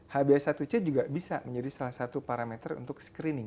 hba satu c juga bisa menjadi salah satu parameter untuk screening